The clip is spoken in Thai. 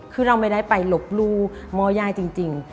คือเราไม่ได้ไปหลบลู่ม่อย่ายจริง